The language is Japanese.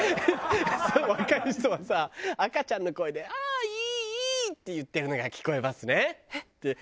「若い人は赤ちゃんの声で“あーいーいー”って言ってるのが聞こえますね」って言っててさ。